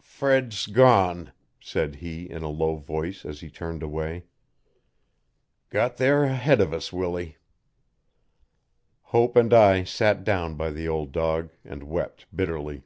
'Fred's gone,' said he in a low tone as he turned away. 'Got there ahead uv us, Willy.' Hope and I sat down by the old dog and wept bitterly.